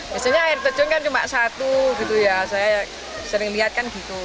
biasanya air terjun kan cuma satu gitu ya saya sering lihat kan gitu